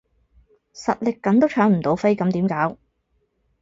實力緊都搶唔到飛咁點搞？